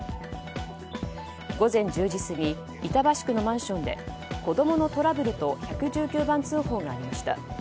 午前１０時過ぎ板橋区のマンションで子供のトラブルと１１９番通報がありました。